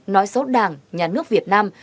nói xấu đảng nhà nước việt nam